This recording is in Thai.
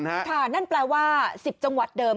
นั่นค่ะนั่นแปลว่า๑๐จังหวัดเดิม